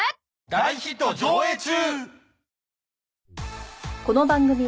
大ヒット上映中！